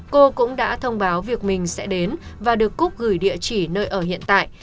cô cũng đã thông báo việc mình sẽ đến và được cúc gửi địa chỉ nơi ở hiện tại